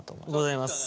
ございます。